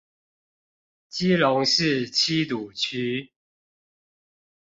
基隆市七堵區